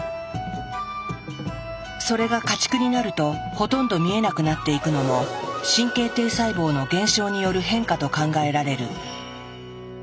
それが家畜になるとほとんど見えなくなっていくのも神経堤細胞の減少による変化と考えられる。